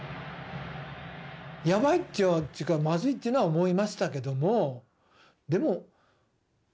やばいっていうかまずいっていうのは思いましたけどもでも。